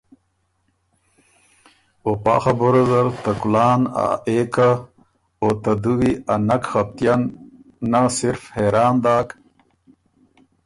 او پا خبُره زر ته کلان ا اېکه او ته دُوي ا نک خپتئن نۀ صرف حېران داک۔